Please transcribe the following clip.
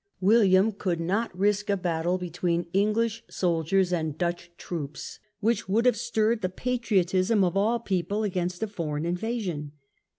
Wil difficuities. liam could not risk a battle between English soldiers and Dutch troops, which would have stirred the patriotism of all people against a foreign invasion.